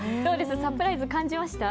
サプライズ感じました？